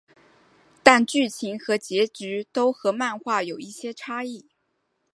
但剧情和结局都和漫画有一些差异。